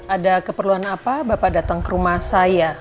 ada keperluan apa bapak datang ke rumah saya